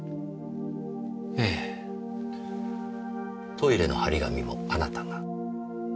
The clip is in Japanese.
トイレの張り紙もあなたが？